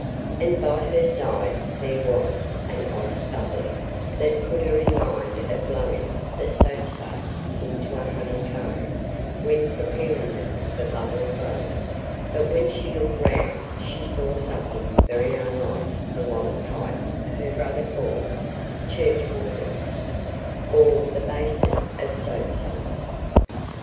And by her side there was an odd bubbling, that put her in mind of blowing the soap suds into a honey comb when preparing them for bubble blowing; but when she looked round she saw something very unlike the long pipes her brother called "churchwardens," or the basin of soap suds.